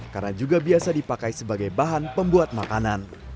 karena juga biasa dipakai sebagai bahan pembuat makanan